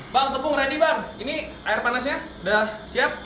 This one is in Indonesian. bang tepung ready bang ini air panasnya sudah siap